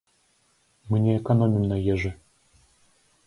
Мы не эканомім на ежы.